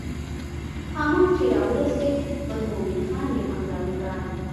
ښامار چې راورسېد پر مومن خان یې حمله وکړه.